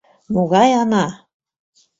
— Могай Ана?